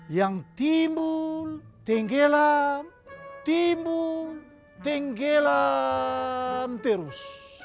yang timbul tenggelam timbul tenggelam terus